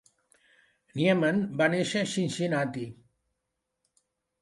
Nieman va néixer a Cincinnati.